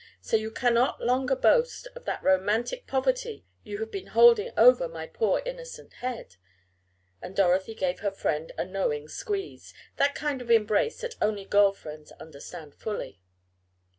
So you cannot longer boast of that romantic poverty you have been holding over my poor, innocent head," and Dorothy gave her friend a "knowing squeeze," that kind of embrace that only girl friends understand fully.